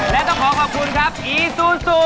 และต้องขอขอบคุณครับอีซูซู